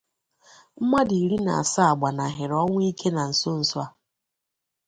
mmadụ iri na asaa gbanahịrị ọnwụ ike na nsonso a